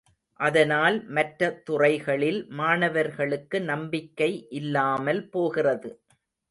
அதனால் மற்ற துறைகளில் மாணவர்களுக்கு நம்பிக்கை இல்லாமல் போகிறது.